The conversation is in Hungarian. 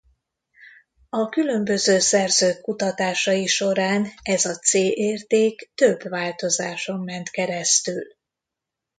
A különböző szerzők kutatásai során ez a C érték több változáson ment keresztül.